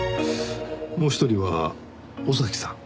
もう一人は尾崎さん？